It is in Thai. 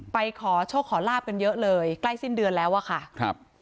ไปขอโชคขอลาบกันเยอะเลยใกล้สิ้นเดือนแล้วอะค่ะครับ